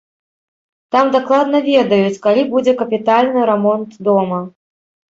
Там дакладна ведаюць, калі будзе капітальны рамонт дома.